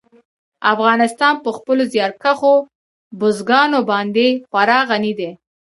افغانستان په خپلو زیارکښو بزګانو باندې خورا غني دی.